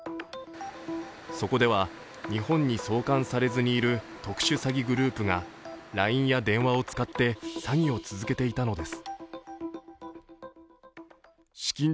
そこでは日本に送還されずにいる特殊詐欺グループがＬＩＮＥや電話を使って詐欺を続けていたのです。